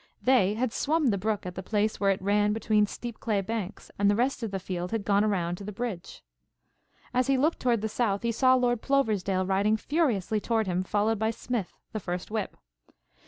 They had swum the brook at the place where it ran between steep clay banks and the rest of the field had gone around to the bridge. As he looked toward the south, he saw Lord Ploversdale riding furiously toward him followed by Smith, the first whip.